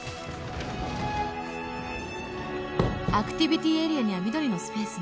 「アクティビティエリアには緑のスペースも」